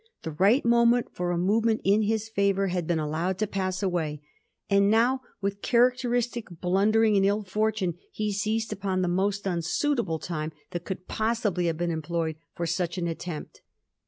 The right moment for a movement in his favour had been allowed to pass away, and now, with characteristic blundering and ill fortune, he seized upon the most unsuitable time that could possibly have been employed for such an attempt.